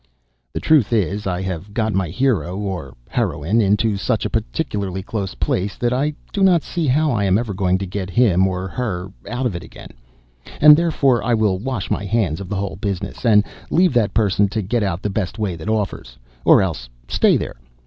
] The truth is, I have got my hero (or heroine) into such a particularly close place, that I do not see how I am ever going to get him (or her) out of it again and therefore I will wash my hands of the whole business, and leave that person to get out the best way that offers or else stay there.